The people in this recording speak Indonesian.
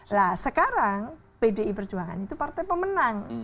nah sekarang pdi perjuangan itu partai pemenang